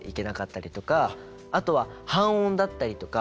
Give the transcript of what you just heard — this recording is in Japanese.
あとは半音だったりとか。